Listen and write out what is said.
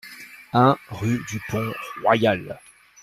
un rue du Pont Royal